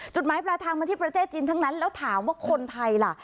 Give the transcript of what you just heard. จุดหมายปลายทางมาที่ประเทศจีนทั้งนั้นแล้วถามว่าคนไทยล่ะ